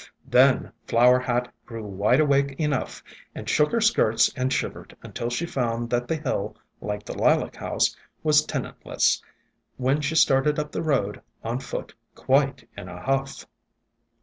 Then Flower Hat grew wide awake enough, and shook her skirts and shivered, until she found that the hill, like the Lilac House, was tenantless, when she started up the road on foot, quite in a huff.